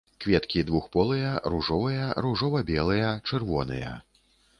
Кветкі двухполыя, ружовыя, ружова-белыя, чырвоныя.